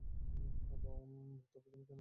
হ্যাঁ, তবে তুমি কেন আসছো না?